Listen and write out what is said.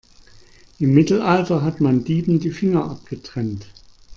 Im Mittelalter hat man Dieben die Finger abgetrennt.